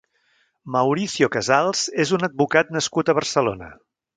Mauricio Casals és un advocat nascut a Barcelona.